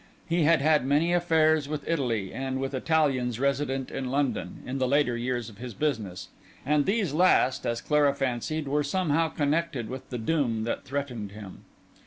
He had had many affairs with Italy, and with Italians resident in London, in the later years of his business; and these last, as Clara fancied, were somehow connected with the doom that threatened him.